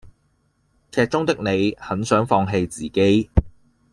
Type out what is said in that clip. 劇中的李很想放棄自己